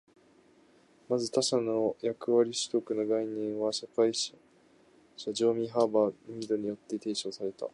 まず、「他者の役割取得」の概念は社会学者ジョージ・ハーバート・ミードによって提唱された。